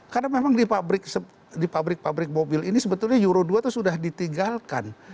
karena memang di pabrik pabrik mobil ini sebetulnya euro dua itu sudah ditinggalkan